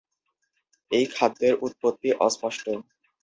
এই খাদ্যের উৎপত্তি অস্পষ্ট।